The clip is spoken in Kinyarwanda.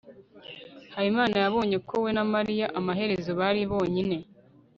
habimana yabonye ko we na mariya amaherezo bari bonyine